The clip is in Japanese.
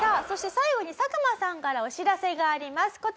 そして最後に佐久間さんからお知らせがあります。